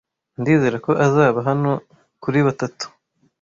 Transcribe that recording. Ndizera ko azaba hano kuri batatu.